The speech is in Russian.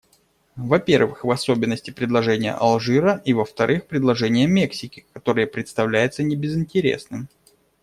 Во-первых, в особенности, предложение Алжира и, во-вторых, предложение Мексики, которое представляется небезынтересным.